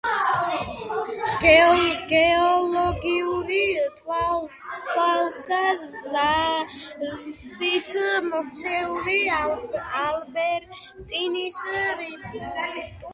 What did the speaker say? გეოლოგიური თვალსაზრისით მოქცეულია ალბერტინის რიფტულ ხეობაში.